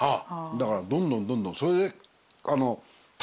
だからどんどんどんどん。